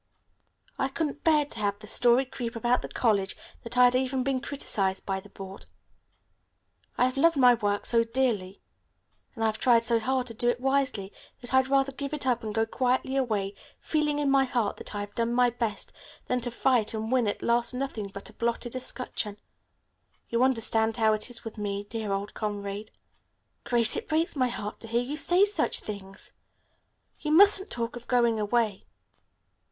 I couldn't bear to have the story creep about the college that I had even been criticized by the Board. I've loved my work so dearly, and I've tried so hard to do it wisely that I'd rather give it up and go quietly away, feeling in my heart that I have done my best, than to fight and win at last nothing but a blotted escutcheon. You understand how it is with me, dear old comrade." "Grace, it breaks my heart to hear you say such things! You mustn't talk of going away."